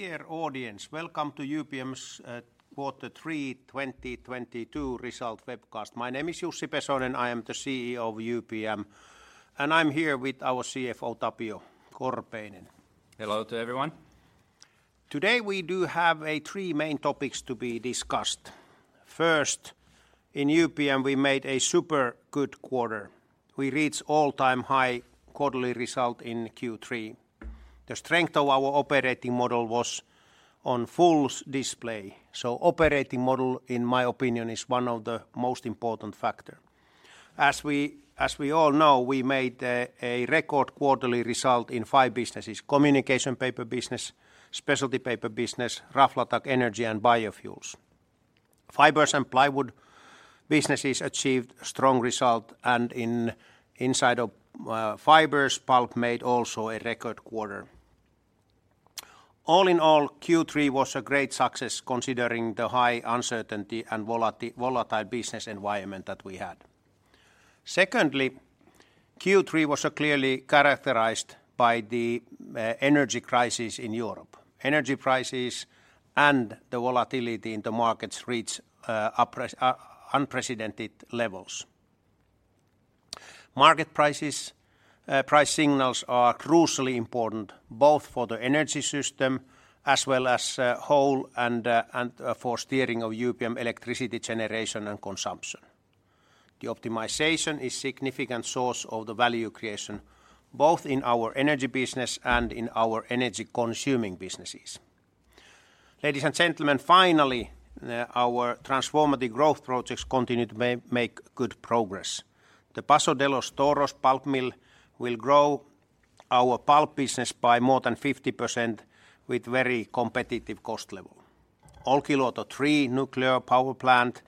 Dear audience, welcome to UPM's Quarter Three 2022 results webcast. My name is Jussi Pesonen. I am the CEO of UPM, and I'm here with our CFO, Tapio Korpeinen. Hello to everyone. Today we do have three main topics to be discussed. First, in UPM, we made a super good quarter. We reached all-time high quarterly result in Q3. The strength of our operating model was on full display. Operating model, in my opinion, is one of the most important factor. As we all know, we made a record quarterly result in five businesses: communication paper business, specialty paper business, Raflatac, energy, and biofuels. Fibers and plywood businesses achieved strong result, and inside of fibers, pulp made also a record quarter. All in all, Q3 was a great success considering the high uncertainty and volatile business environment that we had. Secondly, Q3 was clearly characterized by the energy crisis in Europe. Energy prices and the volatility in the markets reached unprecedented levels. Market prices, price signals are crucially important both for the energy system as well as a whole and for steering of UPM electricity generation and consumption. The optimization is a significant source of the value creation both in our energy business and in our energy-consuming businesses. Ladies and gentlemen, finally, our transformative growth projects continue to make good progress. The Paso de los Toros pulp mill will grow our pulp business by more than 50% with very competitive cost level. Olkiluoto 3 nuclear power plant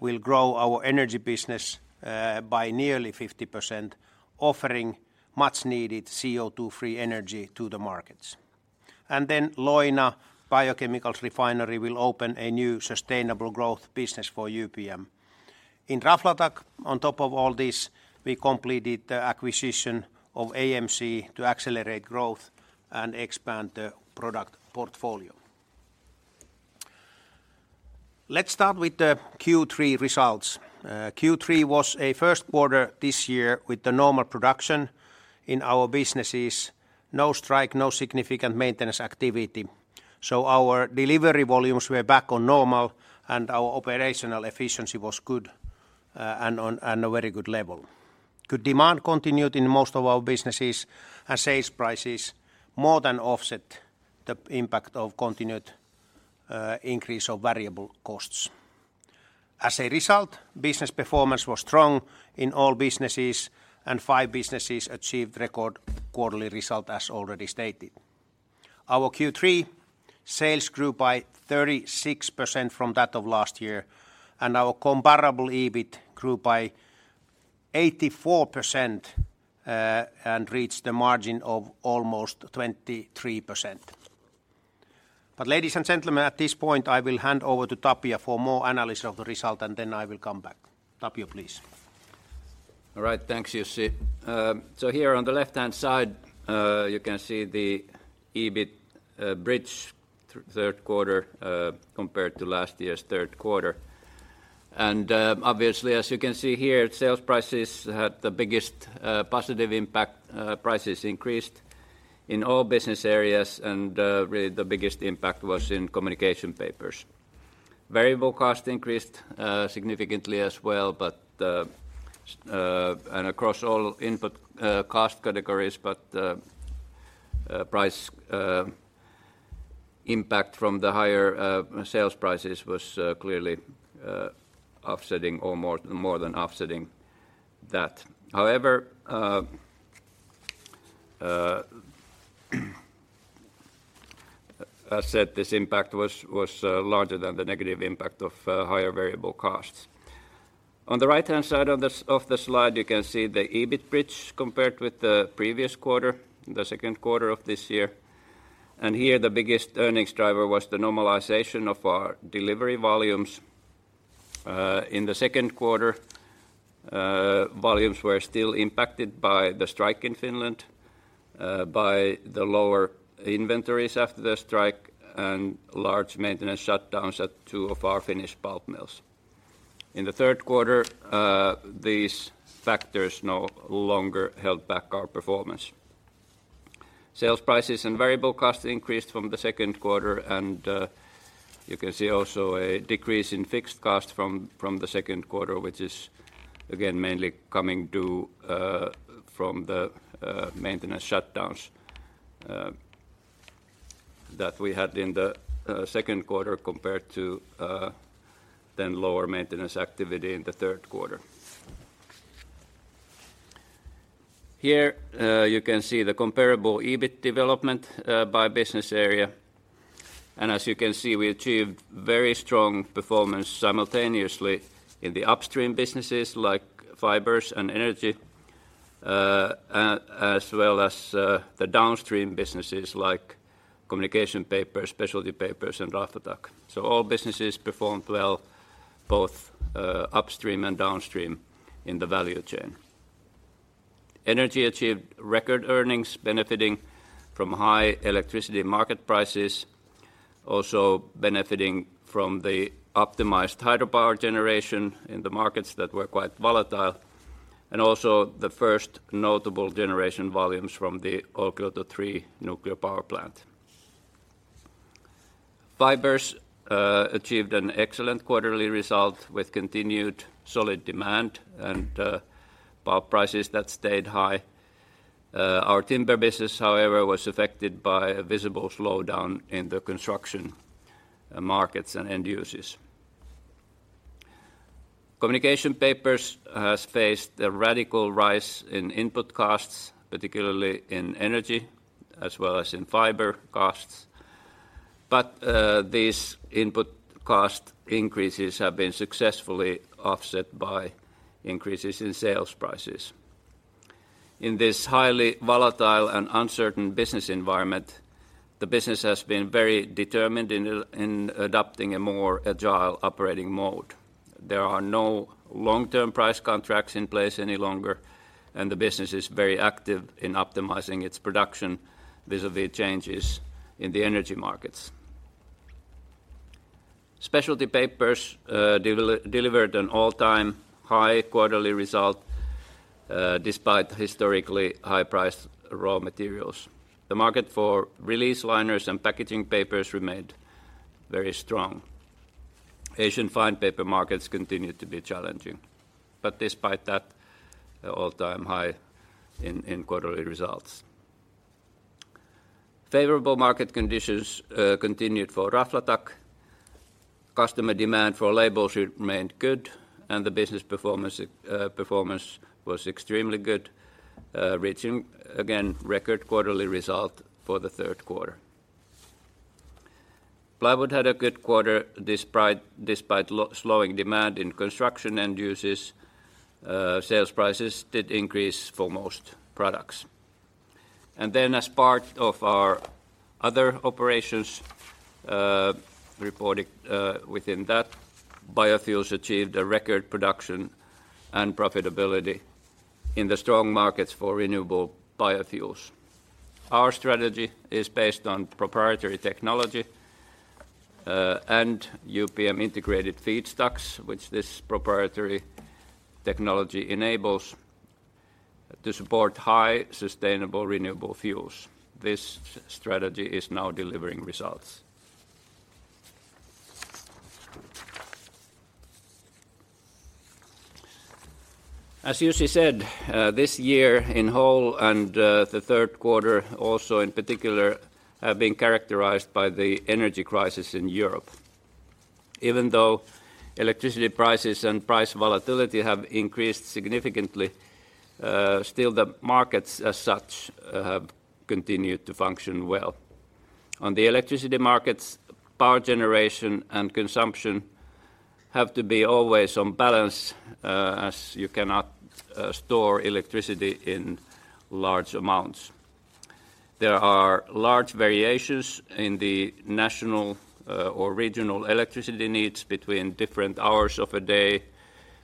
will grow our energy business by nearly 50%, offering much-needed CO2-free energy to the markets. Leuna biochemical refinery will open a new sustainable growth business for UPM. In Raflatac, on top of all this, we completed the acquisition of AMC to accelerate growth and expand the product portfolio. Let's start with the Q3 results. Q3 was a first quarter this year with the normal production in our businesses. No strike, no significant maintenance activity. Our delivery volumes were back on normal, and our operational efficiency was good, and at a very good level. Good demand continued in most of our businesses, and sales prices more than offset the impact of continued increase of variable costs. As a result, business performance was strong in all businesses, and five businesses achieved record quarterly result, as already stated. Our Q3 sales grew by 36% from that of last year, and our comparable EBIT grew by 84%, and reached a margin of almost 23%. Ladies and gentlemen, at this point, I will hand over to Tapio for more analysis of the result, and then I will come back. Tapio, please. All right. Thanks, Jussi. So here on the left-hand side, you can see the EBIT bridge third quarter, compared to last year's third quarter. Obviously, as you can see here, sales prices had the biggest positive impact. Prices increased in all business areas, and really the biggest impact was in communication papers. Variable cost increased significantly as well, but and across all input cost categories. Price impact from the higher sales prices was clearly offsetting or more than offsetting that. However, as said, this impact was larger than the negative impact of higher variable costs. On the right-hand side of the slide, you can see the EBIT bridge compared with the previous quarter, the second quarter of this year. Here, the biggest earnings driver was the normalization of our delivery volumes. In the second quarter, volumes were still impacted by the strike in Finland, by the lower inventories after the strike, and large maintenance shutdowns at two of our Finnish pulp mills. In the third quarter, these factors no longer held back our performance. Sales prices and variable costs increased from the second quarter, and you can see also a decrease in fixed cost from the second quarter, which is, again, mainly due to the maintenance shutdowns that we had in the second quarter compared to then lower maintenance activity in the third quarter. Here, you can see the comparable EBIT development by business area. As you can see, we achieved very strong performance simultaneously in the upstream businesses, like Fibers and Energy, as well as the downstream businesses like Communication Papers, Specialty Papers, and Raflatac. All businesses performed well, both upstream and downstream in the value chain. Energy achieved record earnings benefiting from high electricity market prices, also benefiting from the optimized hydropower generation in the markets that were quite volatile, and also the first notable generation volumes from the Olkiluoto 3 nuclear power plant. Fibers achieved an excellent quarterly result with continued solid demand and power prices that stayed high. Our timber business however was affected by a visible slowdown in the construction markets and end users. Communication Papers has faced a radical rise in input costs, particularly in energy as well as in fiber costs. These input cost increases have been successfully offset by increases in sales prices. In this highly volatile and uncertain business environment, the business has been very determined in adopting a more agile operating mode. There are no long-term price contracts in place any longer, and the business is very active in optimizing its production vis-a-vis changes in the energy markets. Specialty Papers delivered an all-time high quarterly result despite historically high-priced raw materials. The market for release liners and packaging papers remained very strong. Asian fine paper markets continued to be challenging. Despite that, an all-time high in quarterly results. Favorable market conditions continued for Raflatac. Customer demand for labels remained good, and the business performance was extremely good, reaching again record quarterly result for the third quarter. Plywood had a good quarter despite slowing demand in construction end users. Sales prices did increase for most products. Then as part of our other operations reported within that, biofuels achieved a record production and profitability in the strong markets for renewable biofuels. Our strategy is based on proprietary technology and UPM integrated feedstocks, which this proprietary technology enables to support high sustainable renewable fuels. This strategy is now delivering results. As Jussi said, this year in whole and the third quarter also in particular have been characterized by the energy crisis in Europe. Even though electricity prices and price volatility have increased significantly, still the markets as such have continued to function well. On the electricity markets, power generation and consumption have to be always on balance, as you cannot store electricity in large amounts. There are large variations in the national, or regional electricity needs between different hours of a day,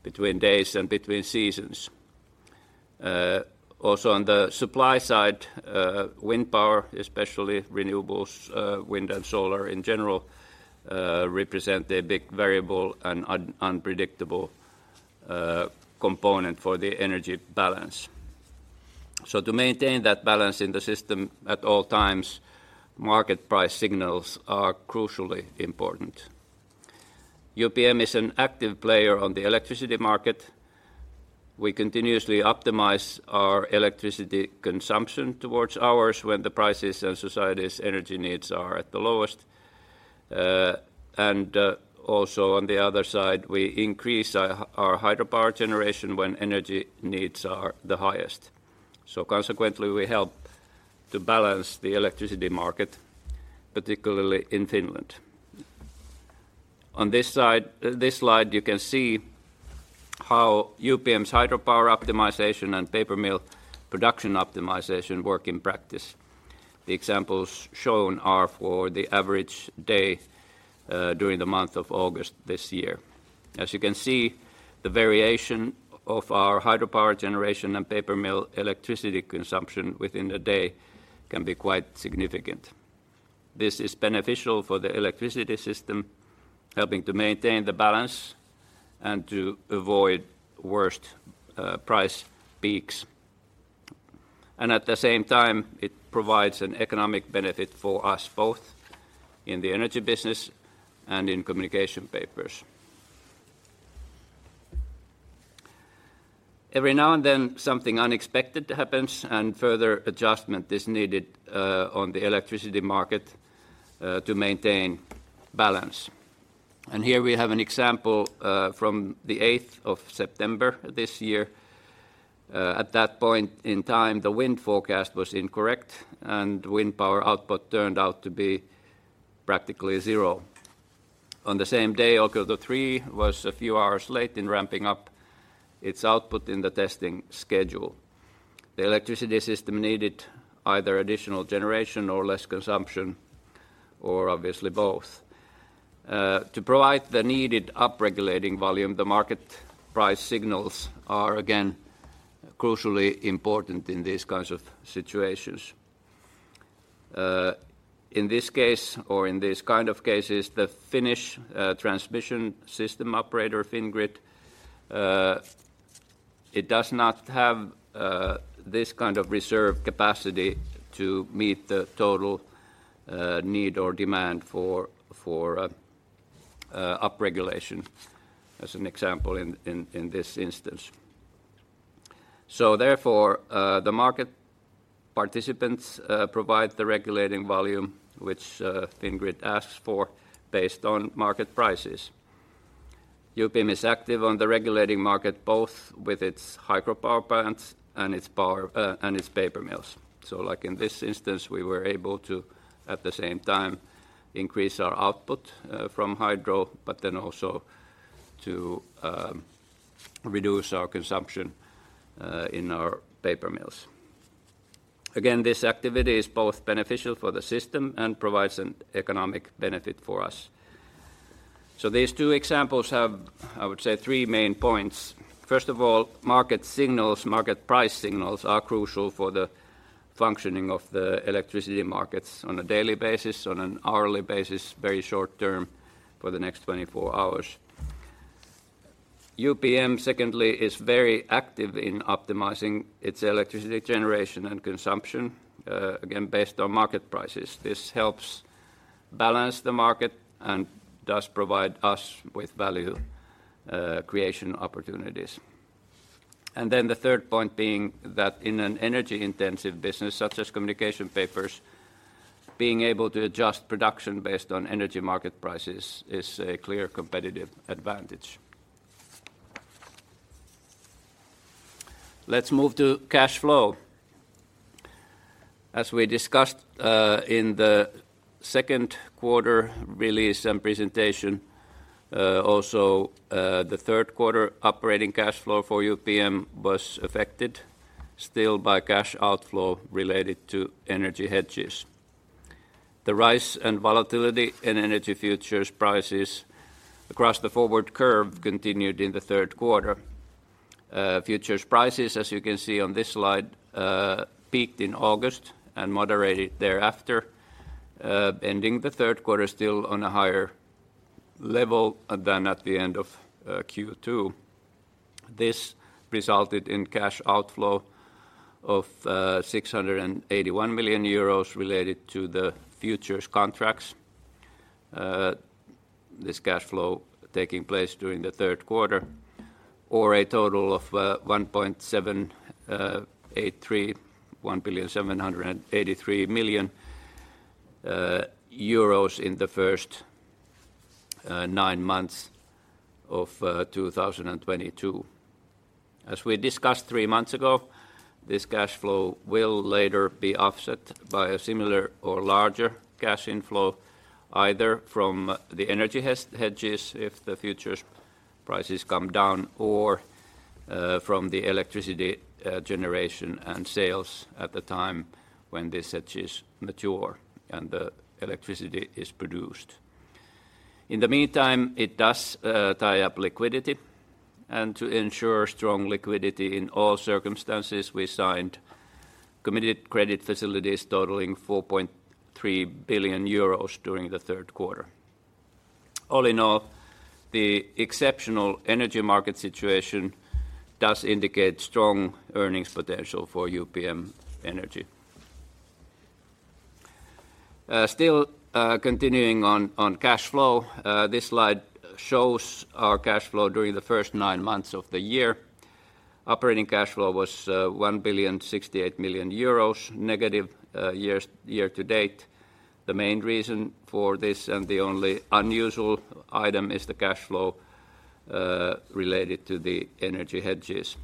between days, and between seasons. Also on the supply side, wind power, especially renewables, wind and solar in general, represent a big variable and unpredictable component for the energy balance. To maintain that balance in the system at all times, market price signals are crucially important. UPM is an active player on the electricity market. We continuously optimize our electricity consumption towards hours when the prices and society's energy needs are at the lowest. Also on the other side, we increase our hydropower generation when energy needs are the highest. Consequently, we help to balance the electricity market, particularly in Finland. On this side, this slide, you can see how UPM's hydropower optimization and paper mill production optimization work in practice. The examples shown are for the average day during the month of August this year. As you can see, the variation of our hydropower generation and paper mill electricity consumption within a day can be quite significant. This is beneficial for the electricity system, helping to maintain the balance and to avoid worst price peaks. At the same time, it provides an economic benefit for us both in the energy business and in Communication Papers. Every now and then, something unexpected happens, and further adjustment is needed on the electricity market to maintain balance. Here we have an example from the eighth of September this year. At that point in time, the wind forecast was incorrect, and wind power output turned out to be practically zero. On the same day, Olkiluoto 3 was a few hours late in ramping up its output in the testing schedule. The electricity system needed either additional generation or less consumption. Or obviously both, to provide the needed up-regulating volume, the market price signals are again crucially important in these kinds of situations. In this case, or in these kind of cases, the Finnish transmission system operator, Fingrid, it does not have this kind of reserve capacity to meet the total need or demand for up-regulation as an example in this instance. The market participants provide the regulating volume which Fingrid asks for based on market prices. UPM is active on the regulating market both with its hydropower plants and its power and its paper mills. Like in this instance, we were able to, at the same time, increase our output from hydro, but then also to reduce our consumption in our paper mills. Again, this activity is both beneficial for the system and provides an economic benefit for us. These two examples have, I would say, three main points. First of all, market signals, market price signals are crucial for the functioning of the electricity markets on a daily basis, on an hourly basis, very short term for the next 24 hours. UPM, secondly, is very active in optimizing its electricity generation and consumption, again, based on market prices. This helps balance the market and does provide us with value creation opportunities. The third point being that in an energy-intensive business, such as communication papers, being able to adjust production based on energy market prices is a clear competitive advantage. Let's move to cash flow. As we discussed, in the second quarter release and presentation, also, the third quarter operating cash flow for UPM was affected still by cash outflow related to energy hedges. The rise and volatility in energy futures prices across the forward curve continued in the third quarter. Futures prices, as you can see on this slide, peaked in August and moderated thereafter, ending the third quarter still on a higher level than at the end of, Q2. This resulted in cash outflow of 681 million euros related to the futures contracts. This cash flow taking place during the third quarter, or a total of 1.783 billion in the first nine months of 2022. As we discussed three months ago, this cash flow will later be offset by a similar or larger cash inflow, either from the energy hedges if the futures prices come down or from the electricity generation and sales at the time when these hedges mature and the electricity is produced. In the meantime, it does tie up liquidity, and to ensure strong liquidity in all circumstances, we signed committed credit facilities totaling 4.3 billion euros during the third quarter. All in all, the exceptional energy market situation does indicate strong earnings potential for UPM Energy. Still continuing on cash flow, this slide shows our cash flow during the first nine months of the year. Operating cash flow was negative EUR 1.068 billion year to date. The main reason for this and the only unusual item is the cash flow related to the energy hedges.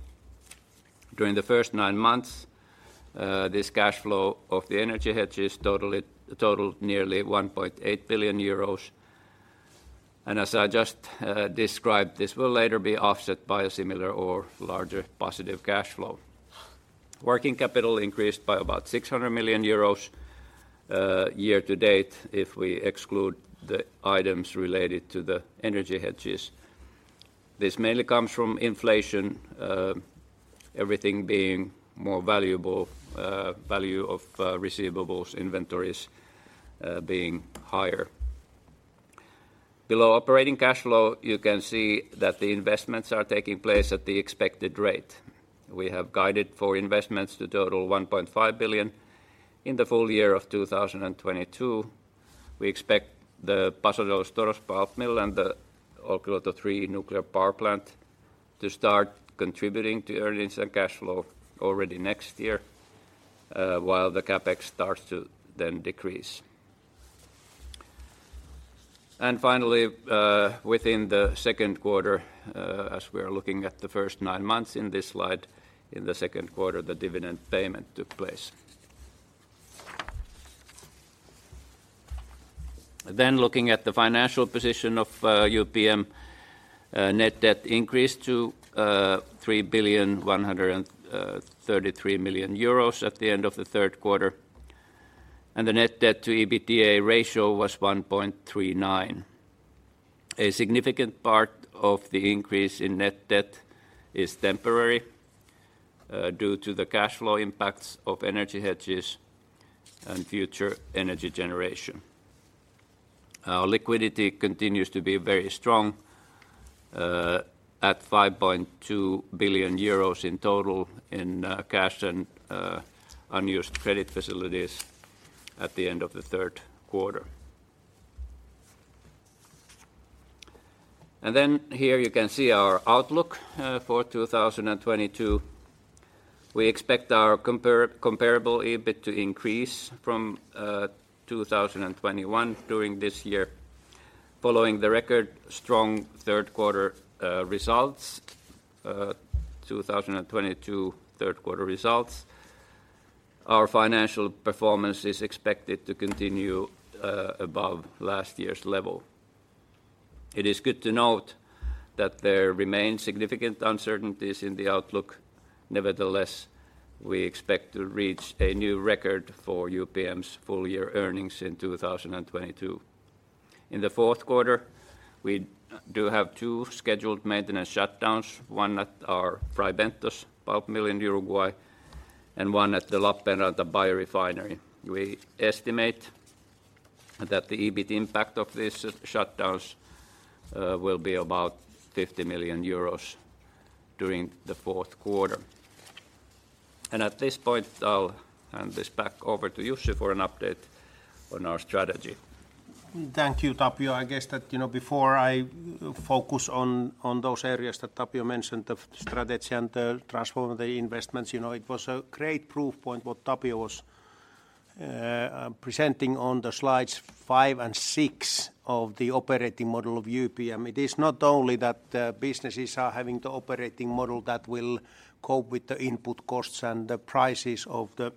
During the first nine months, this cash flow of the energy hedges totaled nearly 1.8 billion euros, and as I just described, this will later be offset by a similar or larger positive cash flow. Working capital increased by about 600 million euros year to date if we exclude the items related to the energy hedges. This mainly comes from inflation, everything being more valuable, value of receivables, inventories being higher. Below operating cash flow, you can see that the investments are taking place at the expected rate. We have guided for investments to total 1.5 billion in the full year of 2022. We expect the Paso de los Toros pulp mill and the Olkiluoto 3 nuclear power plant to start contributing to earnings and cash flow already next year, while the CapEx starts to then decrease. Finally, within the second quarter, as we are looking at the first nine months in this slide, in the second quarter, the dividend payment took place. Looking at the financial position of UPM, net debt increased to 3.133 billion at the end of the third quarter, and the net debt to EBITDA ratio was 1.39. A significant part of the increase in net debt is temporary due to the cash flow impacts of energy hedges and future energy generation. Our liquidity continues to be very strong at 5.2 billion euros in total in cash and unused credit facilities at the end of the third quarter. Here you can see our outlook for 2022. We expect our comparable EBIT to increase from 2021 during this year. Following the record strong third quarter results 2022 third quarter results, our financial performance is expected to continue above last year's level. It is good to note that there remain significant uncertainties in the outlook. Nevertheless, we expect to reach a new record for UPM's full year earnings in 2022. In the fourth quarter, we do have two scheduled maintenance shutdowns, one at our Fray Bentos pulp mill in Uruguay and one at the Lappeenranta biorefinery. We estimate that the EBIT impact of these shutdowns will be about 50 million euros during the fourth quarter. At this point, I'll hand this back over to Jussi for an update on our strategy. Thank you, Tapio. I guess that, you know, before I focus on those areas that Tapio mentioned, the strategy and the transformative investments, you know, it was a great proof point what Tapio was presenting on the slides five and six of the operating model of UPM. It is not only that the businesses are having the operating model that will cope with the input costs and the prices of the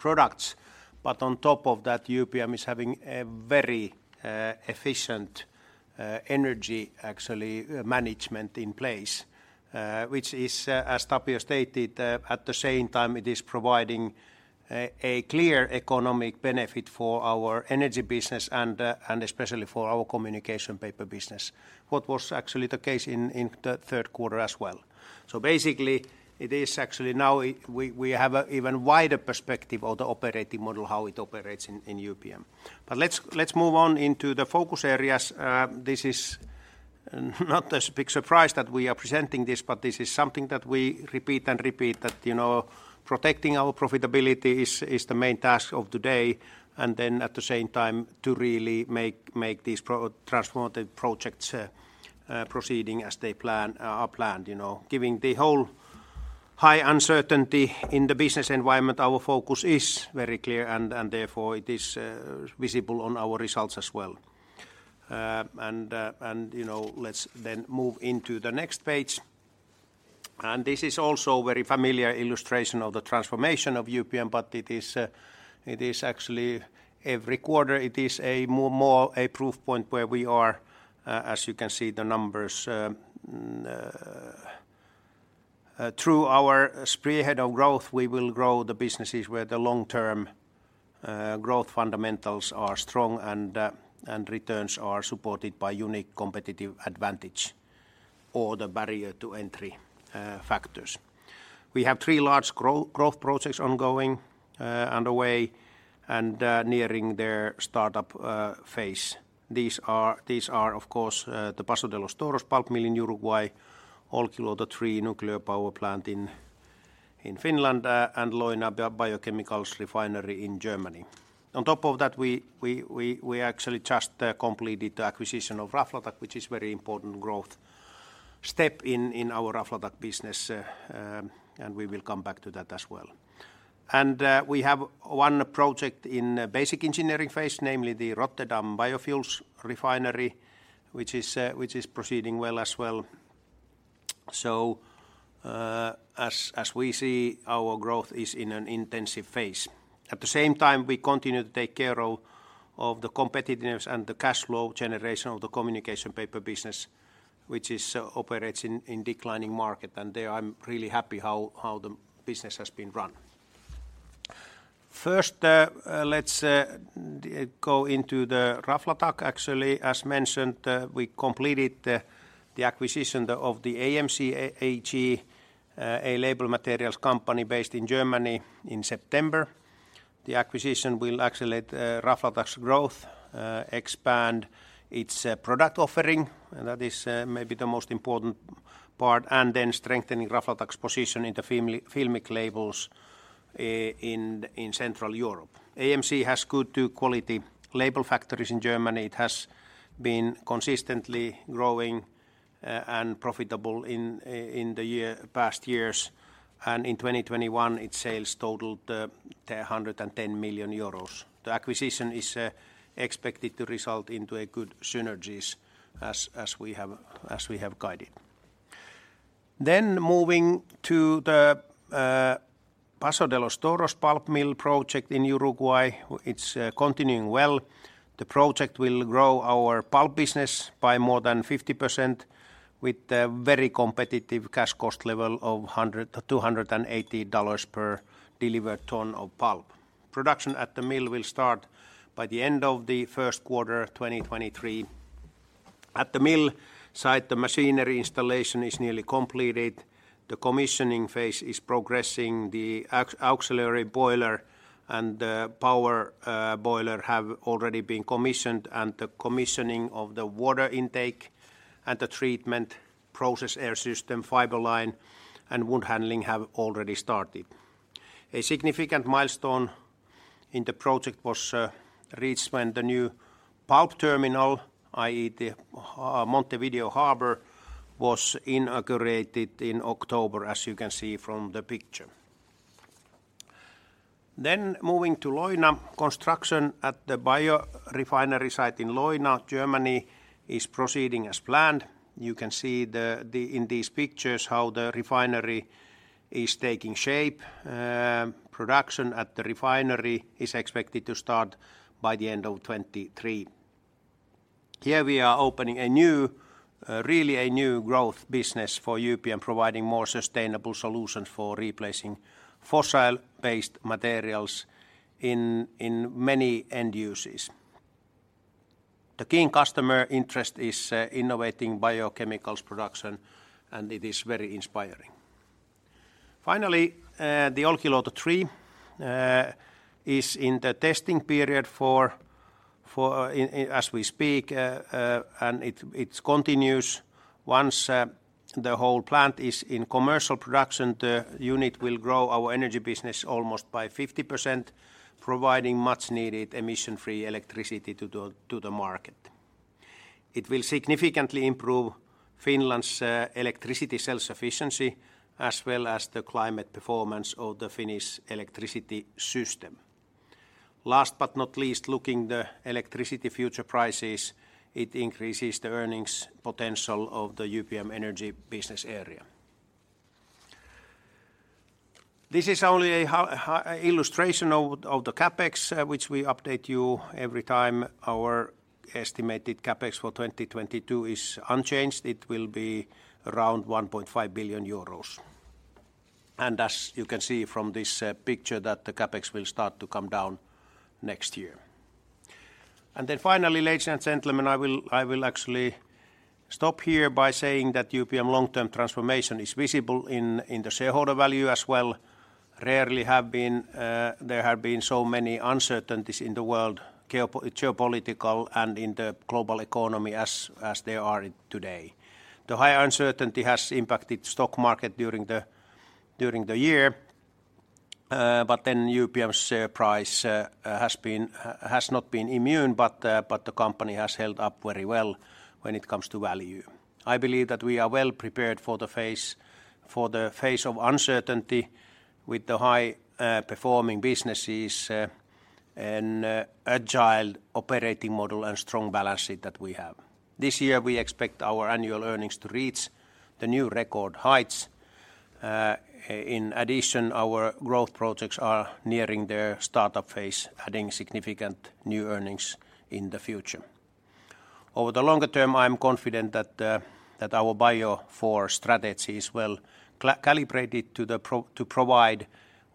products, but on top of that, UPM is having a very efficient energy actually management in place, which is, as Tapio stated, at the same time it is providing a clear economic benefit for our energy business and especially for our communication paper business, what was actually the case in the third quarter as well. Basically, it is actually now we have an even wider perspective of the operating model, how it operates in UPM. Let's move on into the focus areas. This is not a big surprise that we are presenting this, but this is something that we repeat that, you know, protecting our profitability is the main task of today, and then at the same time to really make these transformative projects proceeding as they are planned, you know. Given the whole high uncertainty in the business environment, our focus is very clear, and therefore it is visible on our results as well. You know, let's move into the next page. This is also a very familiar illustration of the transformation of UPM, but it is actually every quarter. It is more a proof point where we are, as you can see the numbers. Through our spearhead of growth, we will grow the businesses where the long-term growth fundamentals are strong and returns are supported by unique competitive advantage or the barrier to entry factors. We have three large growth projects ongoing, underway and nearing their startup phase. These are of course the Paso de los Toros pulp mill in Uruguay, Olkiluoto 3 nuclear power plant in Finland, and Leuna Biochemicals refinery in Germany. On top of that, we actually just completed the acquisition of Raflatac, which is very important growth step in our Raflatac business, and we will come back to that as well. We have one project in basic engineering phase, namely the Rotterdam Biofuels Refinery, which is proceeding well as well. As we see, our growth is in an intensive phase. At the same time, we continue to take care of the competitiveness and the cash flow generation of the Communication Papers business, which operates in declining market. There I'm really happy how the business has been run. First, let's go into the Raflatac. Actually, as mentioned, we completed the acquisition of the AMC AG, a label materials company based in Germany, in September. The acquisition will accelerate Raflatac's growth, expand its product offering, and that is maybe the most important part, and then strengthening Raflatac's position in the filmic labels in Central Europe. AMC has two good quality label factories in Germany. It has been consistently growing and profitable in the past years, and in 2021, its sales totaled 110 million euros. The acquisition is expected to result in good synergies as we have guided. Moving to the Paso de los Toros pulp mill project in Uruguay, it's continuing well. The project will grow our pulp business by more than 50% with a very competitive cash cost level of $280 million per delivered ton of pulp. Production at the mill will start by the end of the first quarter of 2023. At the mill site, the machinery installation is nearly completed. The commissioning phase is progressing. The auxiliary boiler and the power boiler have already been commissioned, and the commissioning of the water intake and the treatment process air system, fiber line, and wood handling have already started. A significant milestone in the project was reached when the new pulp terminal, i.e., the Montevideo Harbor, was inaugurated in October, as you can see from the picture. Moving to Leuna. Construction at the biorefinery site in Leuna, Germany is proceeding as planned. You can see in these pictures how the refinery is taking shape. Production at the refinery is expected to start by the end of 2023. Here we are opening a new growth business for UPM, providing more sustainable solutions for replacing fossil-based materials in many end uses. The key customer interest is innovating Biochemicals production, and it is very inspiring. Finally, the Olkiluoto 3 is in the testing period as we speak, and it continues. Once the whole plant is in commercial production, the unit will grow our energy business almost by 50%, providing much needed emission-free electricity to the market. It will significantly improve Finland's electricity self-sufficiency as well as the climate performance of the Finnish electricity system. Last but not least, looking at the electricity future prices, it increases the earnings potential of the UPM energy business area. This is only a high-level illustration of the CapEx, which we update you every time. Our estimated CapEx for 2022 is unchanged. It will be around 1.5 billion euros. As you can see from this picture, the CapEx will start to come down next year. Then finally, ladies and gentlemen, I will actually stop here by saying that UPM long-term transformation is visible in the shareholder value as well. Rarely have there been so many uncertainties in the world, geopolitical and in the global economy as there are today. The high uncertainty has impacted stock market during the year, but then UPM share price has not been immune, but the company has held up very well when it comes to value. I believe that we are well prepared for the face of uncertainty with the high performing businesses, and agile operating model and strong balance sheet that we have. This year, we expect our annual earnings to reach the new record heights. In addition, our growth projects are nearing their startup phase, adding significant new earnings in the future. Over the longer term, I am confident that our Biofore strategy is well calibrated to provide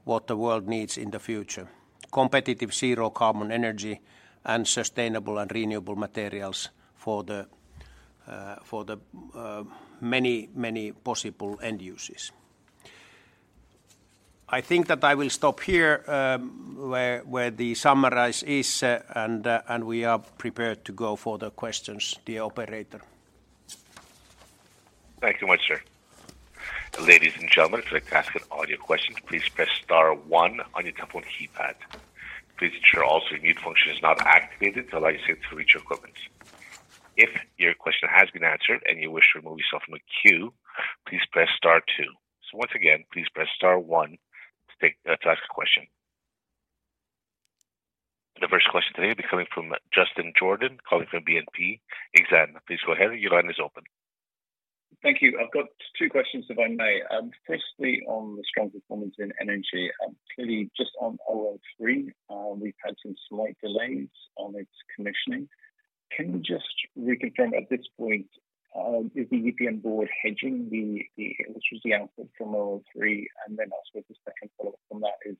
what the world needs in the future, competitive zero carbon energy and sustainable and renewable materials for the many, many possible end uses. I think that I will stop here with the summary and we are prepared to go for the questions. The operator. Thank you much, sir. Ladies and gentlemen, if you'd like to ask an audio question, please press star one on your telephone keypad. Please ensure also your mute function is not activated to allow your question to reach our equipment. If your question has been answered and you wish to remove yourself from a queue, please press star two. Once again, please press star one to ask a question. The first question today will be coming from Andrew Jones, calling from BNP Paribas Exane. Please go ahead. Your line is open. Thank you. I've got two questions, if I may. Firstly, on the strong performance in energy, clearly just on Olkiluoto 3, we've had some slight delays on its commissioning. Can you just reconfirm at this point, is the UPM board hedging the output from Olkiluoto 3? Then also the second follow-up from that is,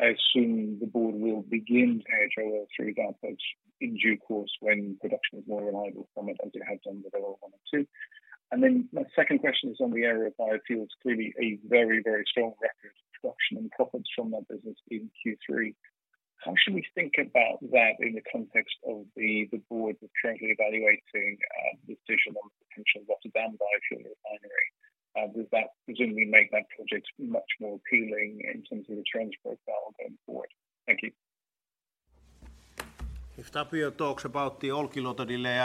assume the board will begin to hedge Olkiluoto 3 outputs in due course when production is more reliable from it as it has done with Olkiluoto 1 and 2. Then my second question is on the area of biofuels. Clearly a very, very strong record of production and profits from that business in Q3. How should we think about that in the context of the board currently evaluating the decision on the potential Rotterdam Biofuels Refinery? Would that presumably make that project much more appealing in terms of the trends profile going forward? Thank you. If Tapio talks about the Olkiluoto delay,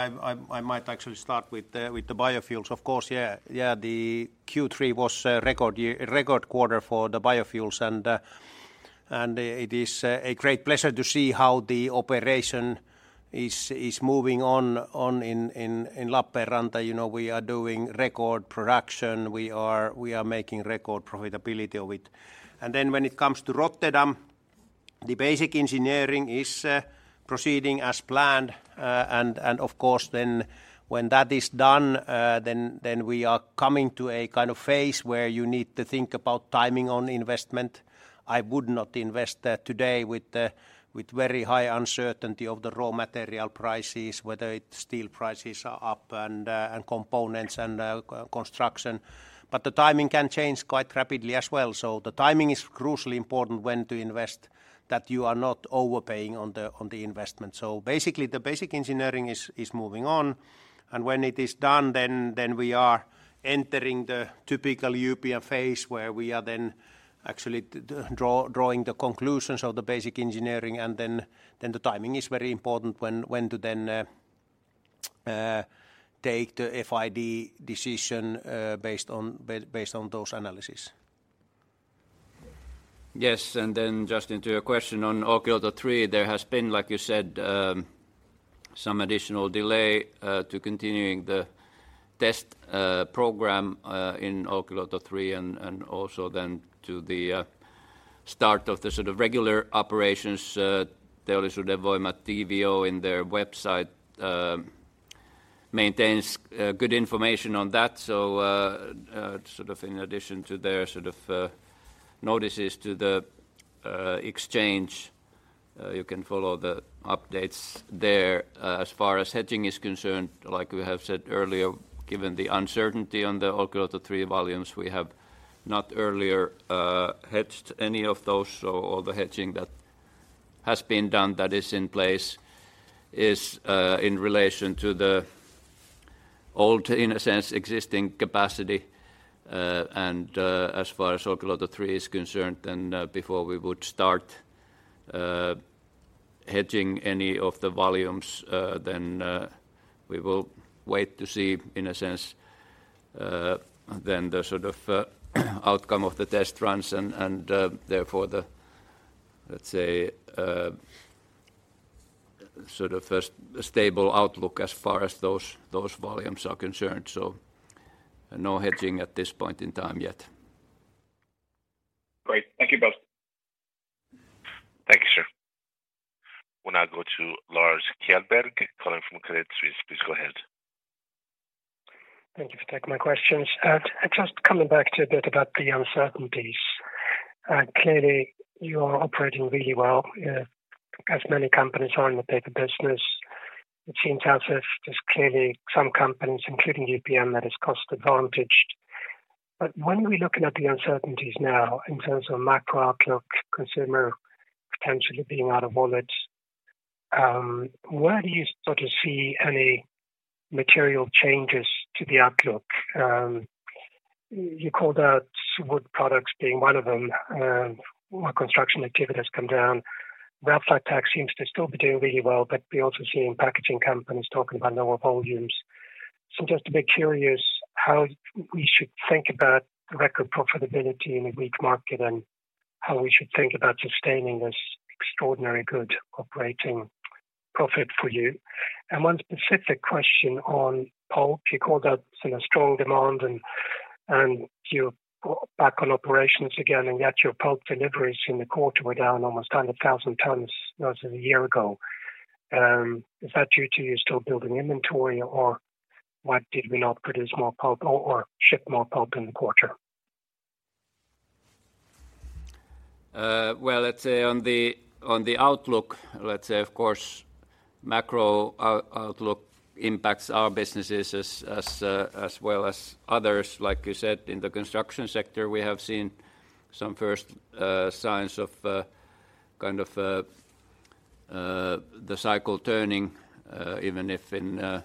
I might actually start with the biofuels. Of course, yeah, the Q3 was a record quarter for the biofuels. It is a great pleasure to see how the operation is moving on in Lappeenranta. You know, we are doing record production. We are making record profitability of it. When it comes to Rotterdam, the basic engineering is proceeding as planned. Of course, then when that is done, we are coming to a kind of phase where you need to think about timing on investment. I would not invest there today with very high uncertainty of the raw material prices, whether it's steel prices are up and components and construction. The timing can change quite rapidly as well. The timing is crucially important when to invest that you are not overpaying on the investment. Basically, the basic engineering is moving on, and when it is done, we are entering the typical UPM phase where we are then actually drawing the conclusions of the basic engineering and the timing is very important when to take the FID decision based on those analyses. Yes, just to your question on Olkiluoto 3, there has been, like you said, some additional delay to continuing the test program in Olkiluoto 3 and also to the start of the sort of regular operations. Teollisuuden Voima (TVO) on their website maintains good information on that. Sort of in addition to their sort of notices to the exchange, you can follow the updates there. As far as hedging is concerned, like we have said earlier, given the uncertainty on the Olkiluoto Three volumes, we have not earlier hedged any of those. All the hedging that has been done that is in place is in relation to the old, in a sense, existing capacity. As far as Olkiluoto Three is concerned, before we would start hedging any of the volumes, then we will wait to see, in a sense, then the sort of outcome of the test runs and therefore the, let's say, sort of stable outlook as far as those volumes are concerned. No hedging at this point in time yet. Great. Thank you both. Thank you, sir. We'll now go to Lars Kjellberg calling from Credit Suisse. Please go ahead. Thank you for taking my questions. Just coming back to a bit about the uncertainties. Clearly, you are operating really well, as many companies are in the paper business. It seems as if there's clearly some companies, including UPM, that is cost-advantaged. But when we're looking at the uncertainties now in terms of macro outlook, consumer potentially being out of wallet, where do you sort of see any material changes to the outlook? You called out wood products being one of them, where construction activity has come down. Raflatac seems to still be doing really well, but we're also seeing packaging companies talking about lower volumes. So just a bit curious how we should think about record profitability in a weak market and how we should think about sustaining this extraordinary good operating profit for you. One specific question on pulp, you called out sort of strong demand and you're back on operations again, and yet your pulp deliveries in the quarter were down almost 10,000 tons versus a year ago. Is that due to you still building inventory or why did we not produce more pulp or ship more pulp in the quarter? Well, let's say on the outlook, of course, macro outlook impacts our businesses as well as others. Like you said, in the construction sector, we have seen some first signs of kind of the cycle turning, even if in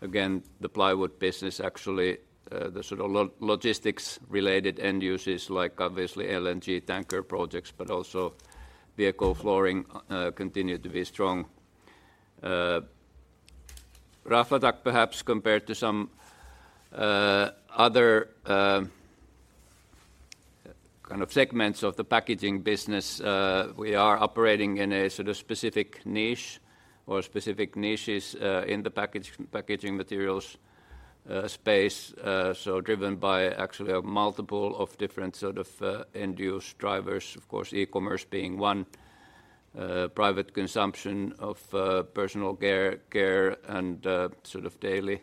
again, the plywood business actually, the sort of logistics related end uses like obviously LNG tanker projects but also vehicle flooring continue to be strong. Raflatac perhaps compared to some other kind of segments of the packaging business, we are operating in a sort of specific niche or specific niches in the packaging materials space, so driven by actually a multiple of different sort of end use drivers. Of course, e-commerce being one, private consumption of personal care and sort of daily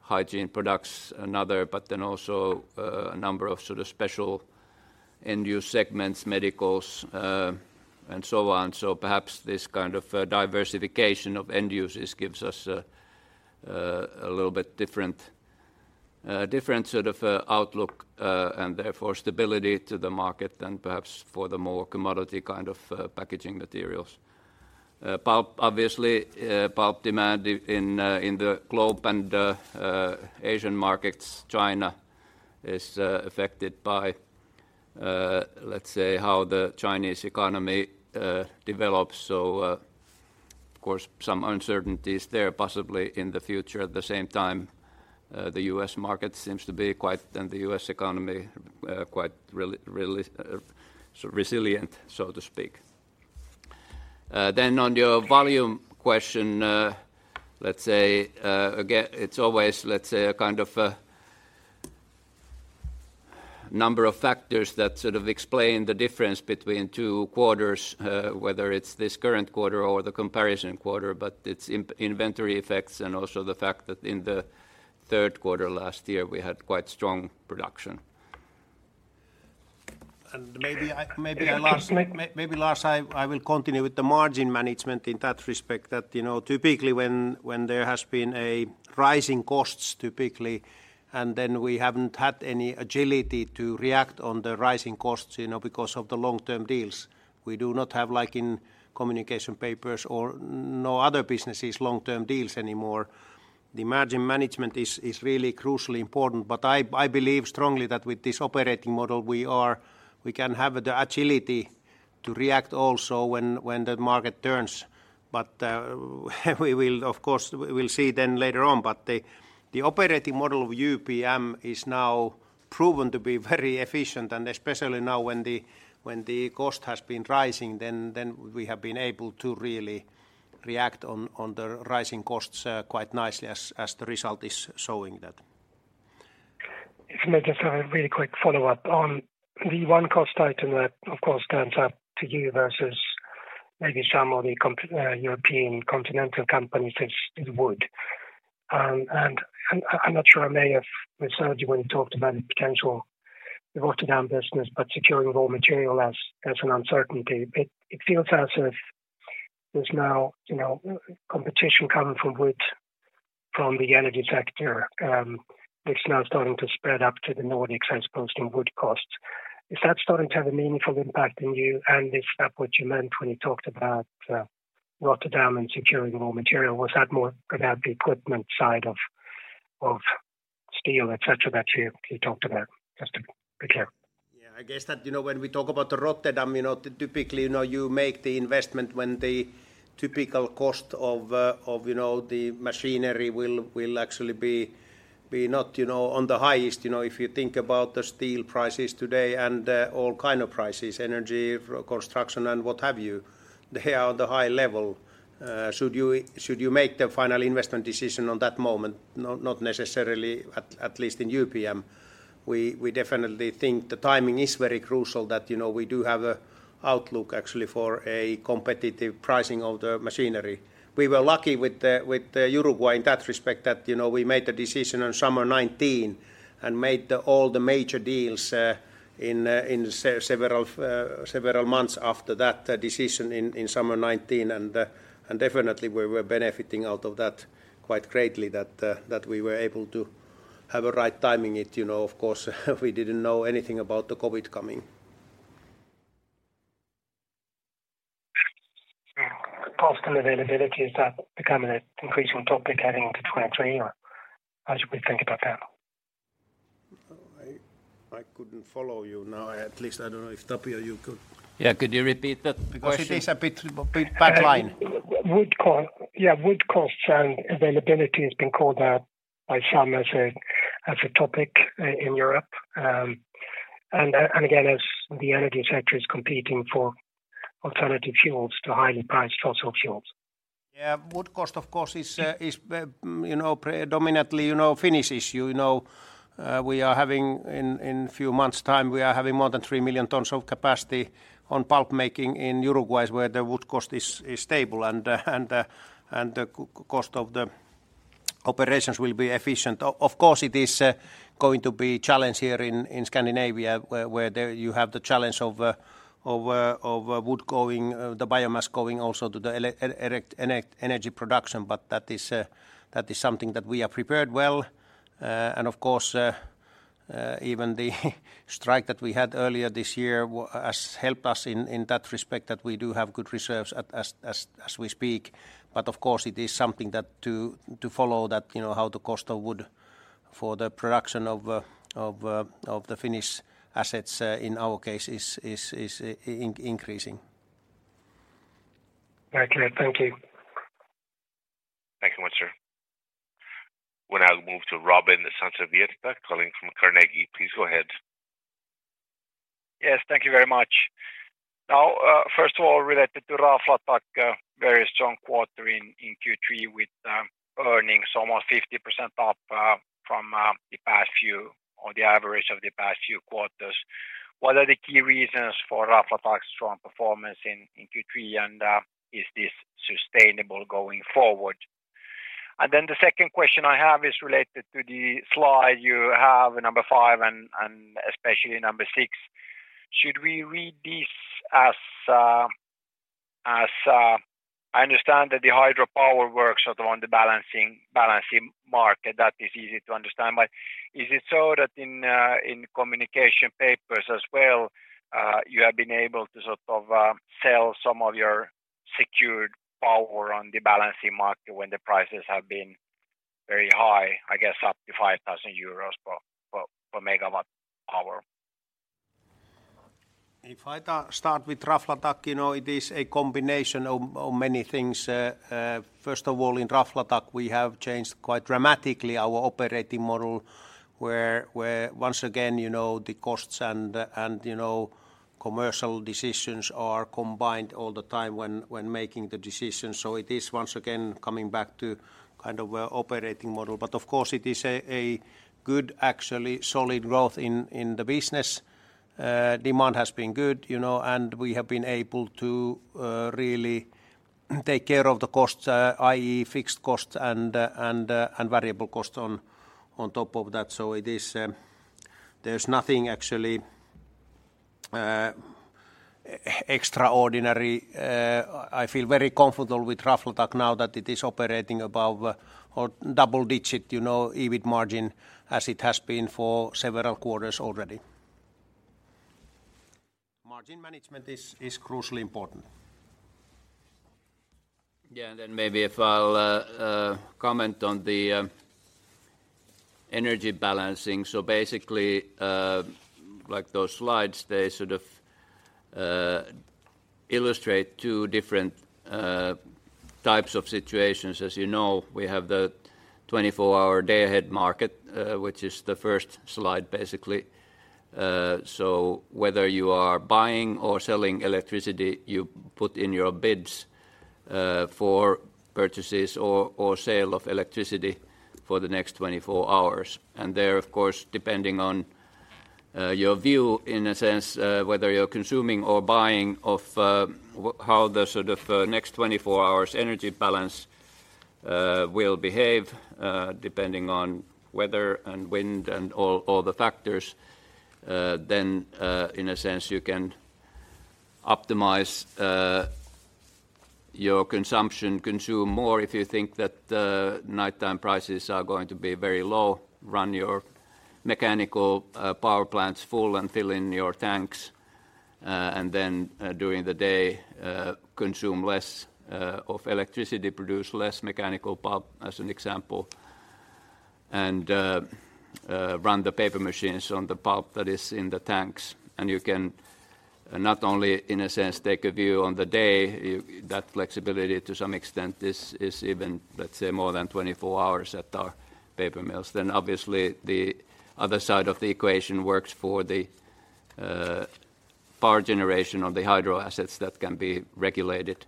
hygiene products another, but then also a number of sort of special end use segments, medicals, and so on. Perhaps this kind of diversification of end uses gives us a little bit different sort of outlook and therefore stability to the market than perhaps for the more commodity kind of packaging materials. Pulp, obviously, pulp demand in the globe and Asian markets. China is affected by let's say how the Chinese economy develops. Of course, some uncertainties there possibly in the future. At the same time, the U.S. market seems to be quite, the U.S. economy quite really so resilient, so to speak. On your volume question, let's say, it's always, let's say, a kind of a number of factors that sort of explain the difference between two quarters, whether it's this current quarter or the comparison quarter. It's inventory effects and also the fact that in the third quarter last year, we had quite strong production. Maybe lastly I will continue with the margin management in that respect that, you know, typically when there has been a rising costs, and then we haven't had any agility to react on the rising costs, you know, because of the long-term deals. We do not have, like in Communication Papers or no other businesses, long-term deals anymore. The margin management is really crucially important. I believe strongly that with this operating model, we can have the agility to react also when the market turns. We will, of course, we'll see then later on. The operating model of UPM is now proven to be very efficient, and especially now when the cost has been rising, then we have been able to really react on the rising costs quite nicely as the result is showing that. If I may just have a really quick follow-up. On the one cost item that, of course, stands out to you versus maybe some of the European continental companies is wood. I'm not sure, I may have missed out when you talked about the potential Rotterdam business, but securing raw material as an uncertainty, it feels as if there's now, you know, competition coming from wood, from the energy sector, which is now starting to spread up to the Nordic as pushing wood costs. Is that starting to have a meaningful impact on you? Is that what you meant when you talked about Rotterdam and securing raw material? Was that more about the equipment side of steel, etc., that you talked about? Just to be clear. Yeah. I guess that, you know, when we talk about the Rotterdam, you know, typically, you know, you make the investment when the typical cost of, you know, the machinery will actually be not, you know, on the highest. You know, if you think about the steel prices today and all kind of prices, energy, construction, and what have you, they are on the high level. Should you make the final investment decision on that moment? Not necessarily, at least in UPM. We definitely think the timing is very crucial that, you know, we do have an outlook actually for a competitive pricing of the machinery. We were lucky with the Uruguay in that respect that you know we made the decision in summer 2019 and made all the major deals in several months after that decision in summer 2019. Definitely we were benefiting out of that quite greatly that we were able to have a right timing it you know. Of course we didn't know anything about the COVID coming. Yeah. Cost and availability, is that becoming an increasing topic heading into 2023, or how should we think about that? I couldn't follow you. Now at least I don't know if, Tapio, you could. Yeah. Could you repeat that question? Because it is a bit bad line. Yeah, wood costs and availability has been called out by some as a topic in Europe. Again, as the energy sector is competing for alternative fuels to highly priced fossil fuels. Wood cost, of course, is, you know, predominantly, you know, Finnish issue. You know, we are having in few months' time more than 3 million tons of capacity on pulp making in Uruguay where the wood cost is stable and the cost of the operations will be efficient. Of course it is going to be a challenge here in Scandinavia where you have the challenge of wood going, the biomass going also to the energy production. That is something that we are prepared well. Of course, even the strike that we had earlier this year has helped us in that respect that we do have good reserves as we speak. Of course it is something that to follow that, you know, how the cost of wood for the production of the Finnish assets, in our case is increasing. Okay. Thank you. Thank you much, sir. We'll now move to Robin Santavirta calling from Carnegie. Please go ahead. Yes, thank you very much. Now, first of all, related to Raflatac, very strong quarter in Q3 with earnings almost 50% up from the past few or the average of the past few quarters. What are the key reasons for Raflatac's strong performance in Q3, and is this sustainable going forward? The second question I have is related to the slide you have, number five and especially number six. Should we read this as I understand that the hydropower works sort of on the balancing market. That is easy to understand. Is it so that in communication papers as well, you have been able to sort of sell some of your secured power on the balancing market when the prices have been very high, I guess up to 5,000 million euros per megawatt power? If I start with Raflatac, you know, it is a combination of many things. First of all, in Raflatac, we have changed quite dramatically our operating model where once again, you know, the costs and you know, commercial decisions are combined all the time when making the decisions. It is once again coming back to kind of a operating model. Of course it is a good actually solid growth in the business. Demand has been good, you know, and we have been able to really take care of the costs, i.e. fixed costs and variable costs on top of that. It is, there's nothing actually extraordinary. I feel very comfortable with Raflatac now that it is operating above or double digit, you know, EBIT margin as it has been for several quarters already. Margin management is crucially important. Maybe I'll comment on the energy balancing. Basically, like those slides, they sort of illustrate two different types of situations. As you know, we have the 24-hour day ahead market, which is the first slide basically. Whether you are buying or selling electricity, you put in your bids for purchases or sale of electricity for the next 24 hours. There, of course, depending on your view in a sense, whether you're consuming or buying, how the sort of next 24 hours energy balance will behave, depending on weather and wind and all the factors. In a sense, you can optimize your consumption. Consume more if you think that the nighttime prices are going to be very low, run your mechanical power plants full and fill in your tanks. During the day, consume less of electricity, produce less mechanical pulp as an example, and run the paper machines on the pulp that is in the tanks. You can not only, in a sense, take a view on the day. That flexibility to some extent is even, let's say, more than 24 hours at our paper mills. The other side of the equation works for the power generation of the hydro assets that can be regulated.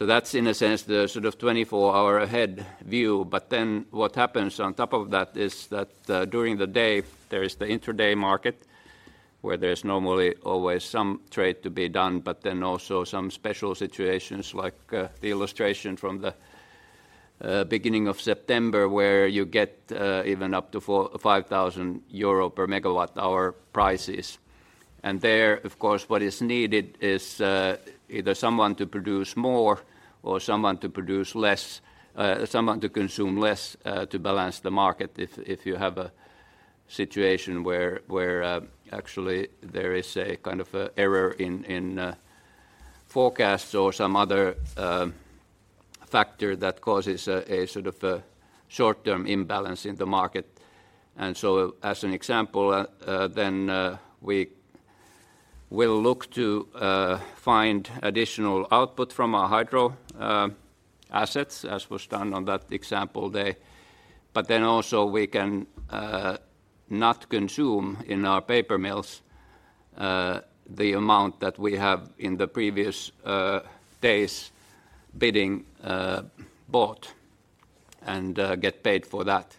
That's in a sense the sort of 24-hour ahead view. What happens on top of that is that, during the day, there is the intraday market where there's normally always some trade to be done. Also some special situations like, the illustration from the, beginning of September where you get, even up to 5,000 million euro per megawatt hour prices. There, of course, what is needed is, either someone to produce more or someone to produce less, someone to consume less, to balance the market if you have a situation where, actually there is a kind of a error in forecasts or some other factor that causes a sort of a short-term imbalance in the market. As an example, we will look to find additional output from our hydro assets, as was done on that example there. Also we can not consume in our paper mills the amount that we have in the previous days' bidding bought, and get paid for that.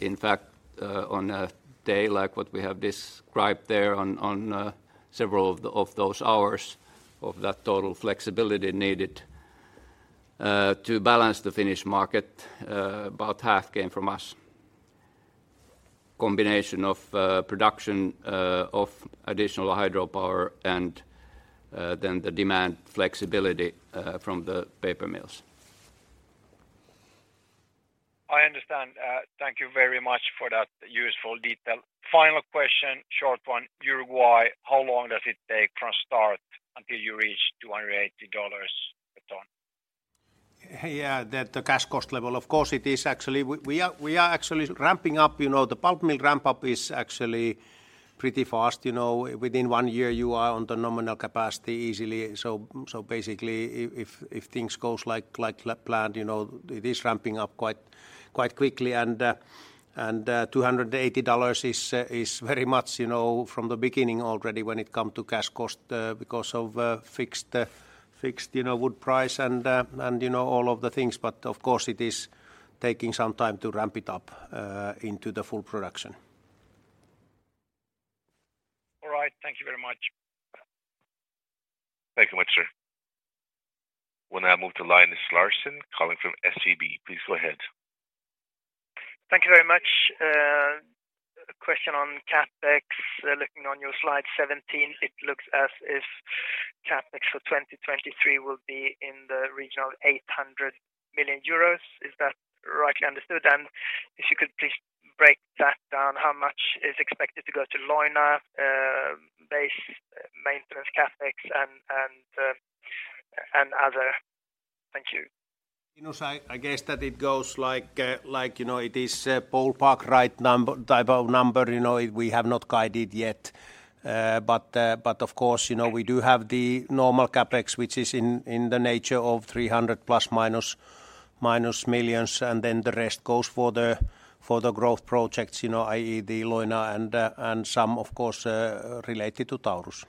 In fact, on a day like what we have described there on several of those hours of that total flexibility needed to balance the Finnish market, about half came from us. Combination of production of additional hydropower and then the demand flexibility from the paper mills. I understand. Thank you very much for that useful detail. Final question, short one. Uruguay, how long does it take from start until you reach $280 million a ton? Yeah. The cash cost level. Of course, it is actually. We are actually ramping up. You know, the pulp mill ramp up is actually pretty fast. You know, within one year you are on the nominal capacity easily. Basically if things goes like planned, you know, it is ramping up quite quickly and $280 milion is very much, you know, from the beginning already when it come to cash cost, because of fixed wood price and, you know, all of the things. Of course it is taking some time to ramp it up into the full production. All right. Thank you very much. Thank you much, sir. We'll now move to Linus Larsson calling from SEB. Please go ahead. Thank you very much. A question on CapEx. Looking on your slide 17, it looks as if CapEx for 2023 will be in the region of 800 million euros. Is that rightly understood? If you could please break that down, how much is expected to go to Leuna, base maintenance CapEx and other? Linus, I guess that it goes like, you know, it is a ballpark type of number, you know. We have not guided yet. But of course, you know, we do have the normal CapEx which is in the nature of +300 million and then the rest goes for the growth projects, you know, i.e., the Leuna and some of course related to Paso de los Toros.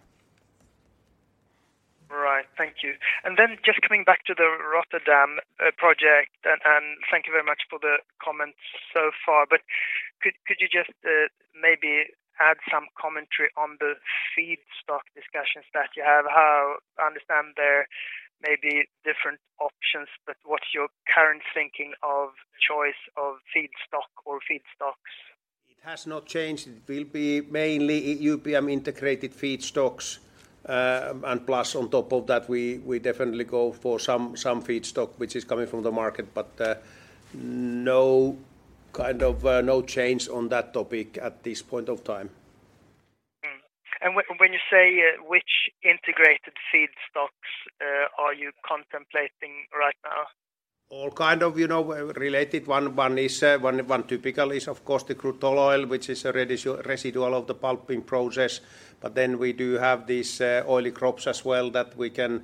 Right. Thank you. Then just coming back to the Rotterdam project and thank you very much for the comments so far. Could you just maybe add some commentary on the feedstock discussions that you have? How I understand there may be different options, but what's your current thinking of choice of feedstock or feedstocks? It has not changed. It will be mainly UPM-integrated feedstocks. Plus on top of that we definitely go for some feedstock which is coming from the market. No change on that topic at this point of time. When you say, which integrated feedstocks are you contemplating right now? All kinds of, you know, related ones. One typical is of course the crude tall oil which is a residual of the pulping process. We do have these oily crops as well that we can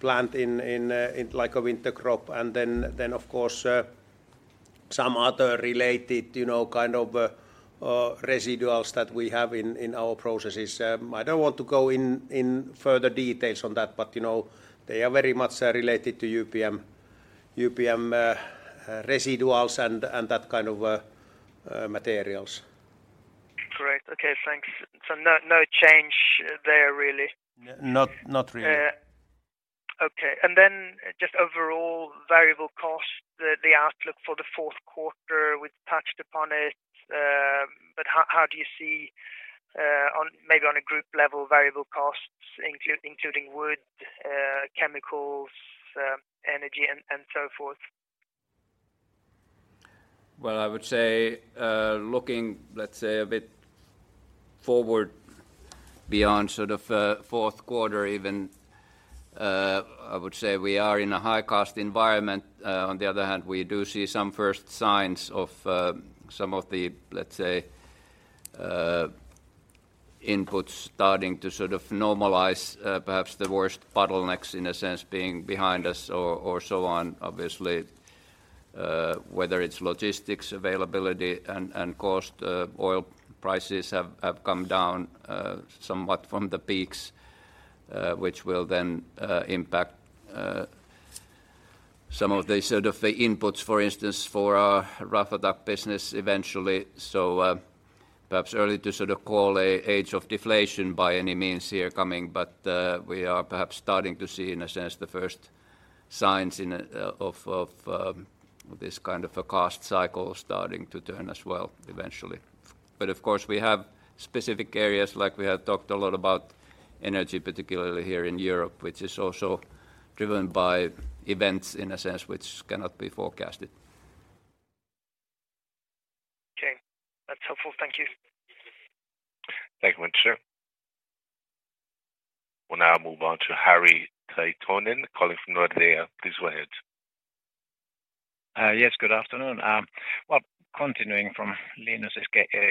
plant in like a winter crop and then of course some other related, you know, kind of residuals that we have in our processes. I don't want to go into further details on that, but you know, they are very much related to UPM residuals and that kind of materials. Great. Okay, thanks. No, no change there really? Not really. Just overall variable costs, the outlook for the fourth quarter, we've touched upon it, but how do you see maybe on a group level variable costs including wood, chemicals, energy and so forth? Well, I would say looking, let's say, a bit forward beyond sort of fourth quarter even, I would say we are in a high-cost environment. On the other hand we do see some first signs of some of the, let's say, inputs starting to sort of normalize, perhaps the worst bottlenecks in a sense being behind us or so on. Obviously, whether it's logistics availability and cost, oil prices have come down somewhat from the peaks, which will then impact some of the sort of inputs, for instance, for our Raflatac business eventually. Perhaps early to sort of call an age of deflation by any means here coming, but we are perhaps starting to see in a sense the first signs of this kind of a cost cycle starting to turn as well eventually. Of course we have specific areas, like we have talked a lot about energy, particularly here in Europe, which is also driven by events in a sense which cannot be forecasted. Okay. That's helpful. Thank you. Thank you very much, sir. We'll now move on to Harri Taittonen calling from Nordea. Please go ahead. Yes. Good afternoon. Continuing from Linus'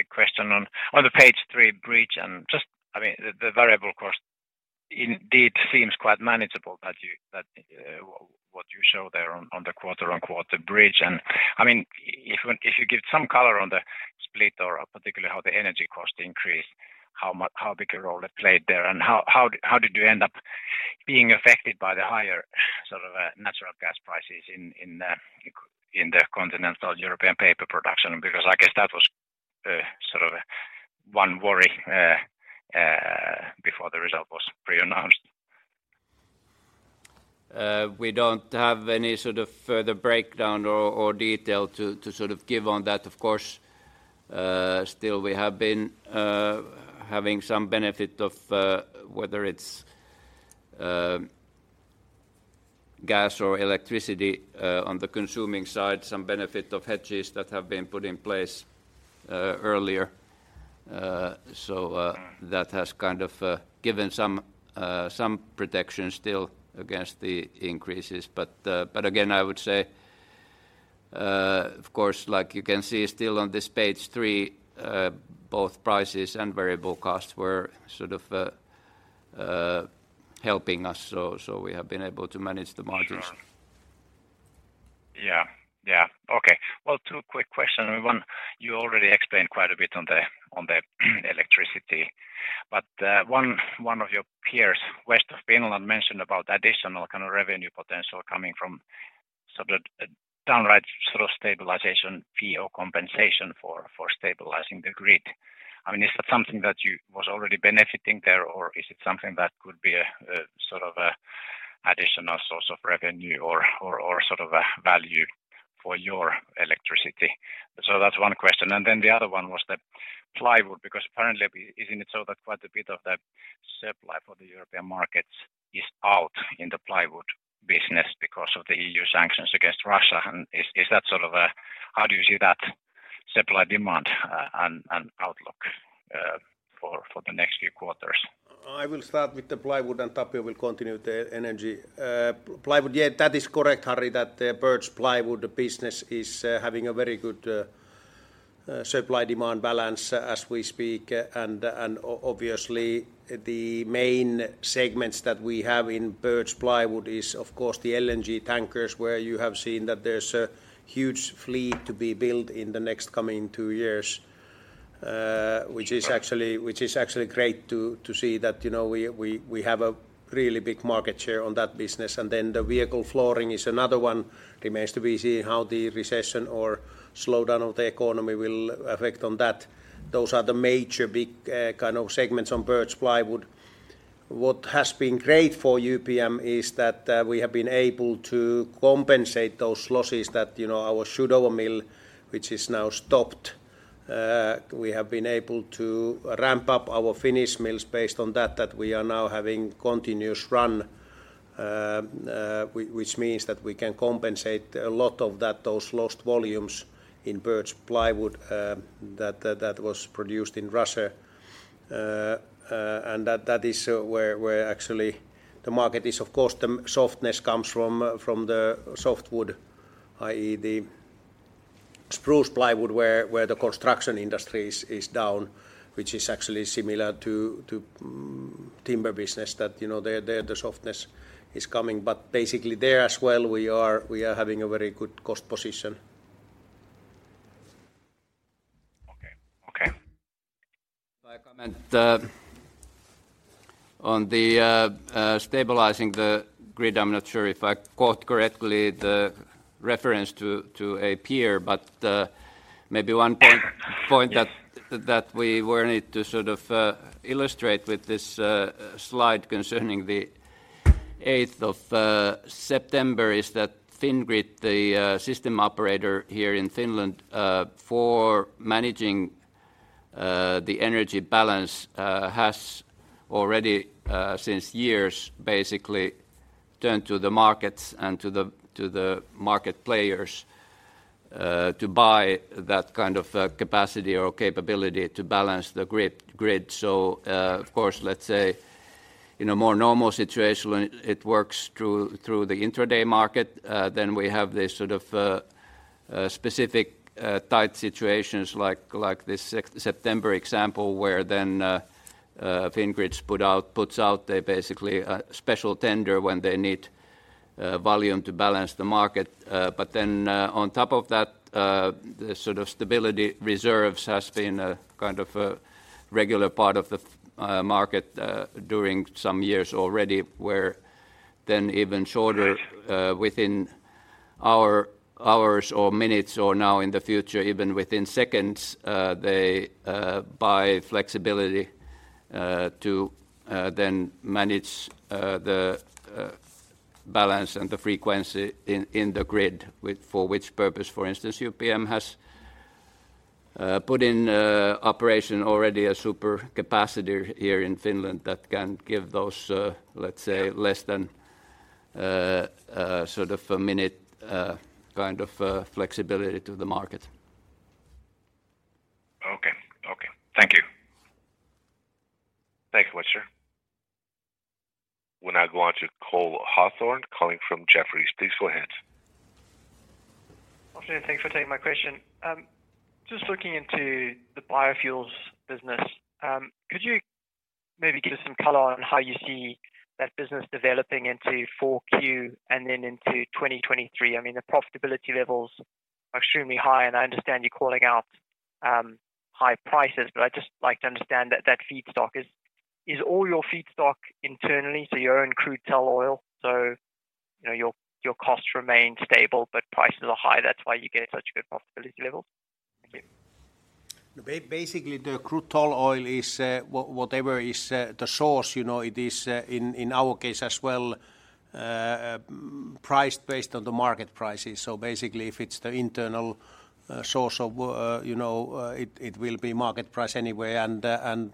question on the page three bridge and just, I mean, the variable cost indeed seems quite manageable that what you show there on the QoQ bridge. I mean, if you give some color on the split or particularly how the energy cost increased, how big a role it played there, and how did you end up being affected by the higher sort of natural gas prices in the continental European paper production? Because I guess that was sort of one worry before the result was pre-announced. We don't have any sort of further breakdown or detail to sort of give on that. Of course, still we have been having some benefit of whether it's gas or electricity on the consuming side, some benefit of hedges that have been put in place earlier. That has kind of given some protection still against the increases. Again, I would say, of course, like you can see still on this page three, both prices and variable costs were sort of helping us. We have been able to manage the margins. Sure. Yeah. Okay. Well, two quick questions. One, you already explained quite a bit on the electricity, but one of your peers, West of Finland, mentioned about additional kind of revenue potential coming from sort of a downright sort of stabilization fee or compensation for stabilizing the grid. I mean, is that something that you was already benefiting there, or is it something that could be a sort of additional source of revenue or sort of a value for your electricity? That's one question. The other one was the plywood, because apparently isn't it so that quite a bit of the supply for the European markets is out in the plywood business because of the EU sanctions against Russia, and is that sort of a. How do you see that? Supply, demand, and outlook for the next few quarters. I will start with the plywood and Tapio will continue with the energy. Plywood, yeah, that is correct, Harry, that the birch plywood business is having a very good supply-demand balance as we speak. Obviously, the main segments that we have in birch plywood is, of course, the LNG tankers where you have seen that there's a huge fleet to be built in the next coming two years, which is actually great to see that, you know, we have a really big market share on that business. Then the vehicle flooring is another one. Remains to be seen how the recession or slowdown of the economy will affect on that. Those are the major big kind of segments on birch plywood. What has been great for UPM is that we have been able to compensate those losses that, you know, our Chudovo mill, which is now stopped. We have been able to ramp up our Finnish mills based on that we are now having continuous run which means that we can compensate a lot of that those lost volumes in birch plywood that was produced in Russia. And that is where actually the market is. Of course, the softness comes from the softwood, i.e., the spruce plywood where the construction industry is down, which is actually similar to timber business that, you know, there the softness is coming. Basically there as well, we are having a very good cost position. Okay. If I comment on the stabilizing the grid, I'm not sure if I quote correctly the reference to a peer. Maybe one point- Yeah The point that we need to sort of illustrate with this slide concerning the 8th of September is that Fingrid, the system operator here in Finland, for managing the energy balance, has already for years basically turned to the markets and to the market players to buy that kind of capacity or capability to balance the grid. Of course, let's say in a more normal situation it works through the intraday market, then we have this sort of specific tight situations like this September example where then Fingrid puts out their basically special tender when they need volume to balance the market. On top of that, the sort of stability reserves has been a kind of a regular part of the market during some years already, where even shorter, within hours or minutes, or now in the future, even within seconds, they buy flexibility to then manage the balance and the frequency in the grid with, for which purpose, for instance, UPM has put in operation already a super capacitor here in Finland that can give those, let's say, less than sort of a minute kind of flexibility to the market. Okay. Thank you. Thank you, sir. We'll now go on to Cole Hathorn calling from Jefferies. Please go ahead. Afternoon, thanks for taking my question. Just looking into the biofuels business, could you maybe give some color on how you see that business developing into Q4 and then into 2023? I mean, the profitability levels are extremely high, and I understand you're calling out high prices, but I'd just like to understand that feedstock. Is all your feedstock internal, so your own crude tall oil, so you know, your costs remain stable but prices are high, that's why you get such good profitability levels? Thank you. Basically, the crude tall oil is whatever is the source, you know, it is in our case as well priced based on the market prices. Basically, if it's the internal source of, you know, it will be market price anyway.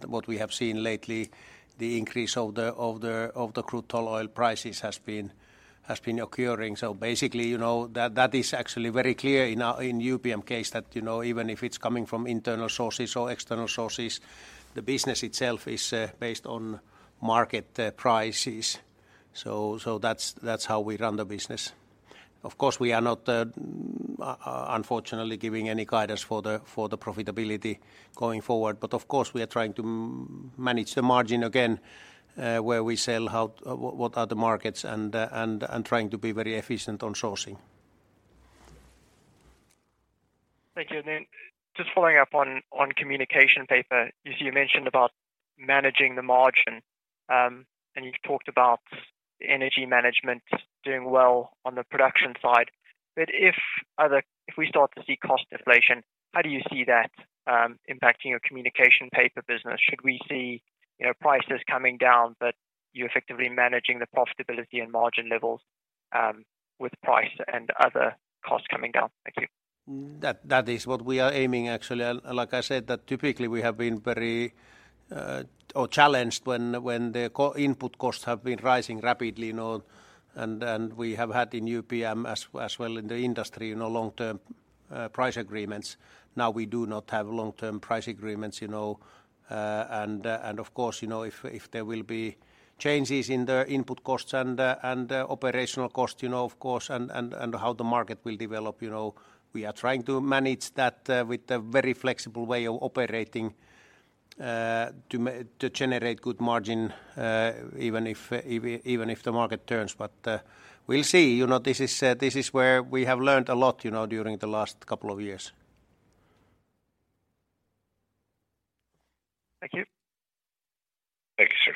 What we have seen lately, the increase of the crude tall oil prices has been occurring. Basically, you know, that is actually very clear in UPM case that, you know, even if it's coming from internal sources or external sources, the business itself is based on market prices. That's how we run the business. Of course, we are not unfortunately giving any guidance for the profitability going forward. Of course, we are trying to manage the margin again, where we sell, what are the markets and trying to be very efficient on sourcing. Thank you. Just following up on communication paper, you see you mentioned about managing the margin, and you've talked about the energy management doing well on the production side. If we start to see cost deflation, how do you see that impacting your communication paper business? Should we see, you know, prices coming down, but you're effectively managing the profitability and margin levels with price and other costs coming down? Thank you. That is what we are aiming actually. Like I said, that typically we have been very challenged when the input costs have been rising rapidly, you know, and we have had in UPM as well in the industry, you know, long-term price agreements. Now, we do not have long-term price agreements, you know, and of course, you know, if there will be changes in the input costs and operational costs, you know, of course, and how the market will develop, you know, we are trying to manage that with a very flexible way of operating to generate good margin even if the market turns. We'll see. You know, this is where we have learned a lot, you know, during the last couple of years. Thank you. Thank you, sir.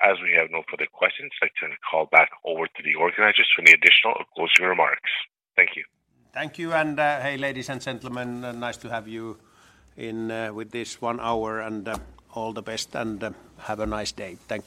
As we have no further questions, I turn the call back over to the organizers for any additional or closing remarks. Thank you. Thank you. Hey, ladies and gentlemen, nice to have you in with this one hour. All the best and have a nice day. Thank you.